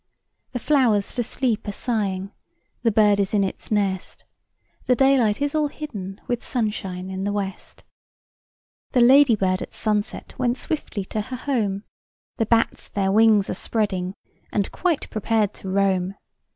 The flowers for sleep are sighing, The bird is in its nest, The daylight is all hidden With sunshine in the west. The ladybird at sunset Went swiftly to her home ; The bats their wings are spreading, And quite prepared to roam.